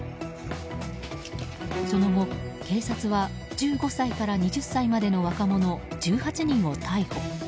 その後、警察は１５歳から２０歳までの若者１８人を逮捕。